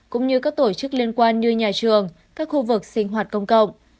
cũng như các tổ chức liên quan như nhà trường các khu vực sinh hoạt công cộng